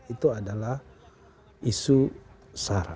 itu adalah isu syarat